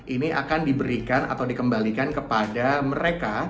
ini akan diberikan atau dikembalikan kepada mereka